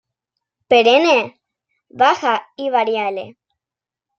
Perenne, baja y variable.